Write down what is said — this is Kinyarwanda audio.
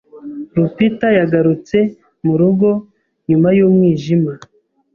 Rupita yagarutse murugo nyuma y'umwijima.